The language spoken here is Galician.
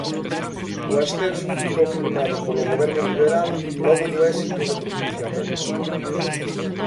O ascenso foi confirmado polo goberno liberal logo do éxito do pronunciamento.